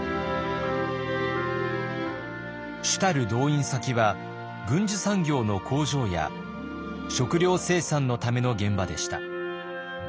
主たる動員先は軍需産業の工場や食糧生産のための現場でした。